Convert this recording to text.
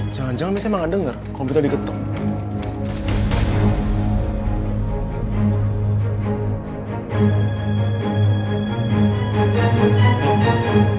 jangan jangan bisa emang ngedenger komputer diketuk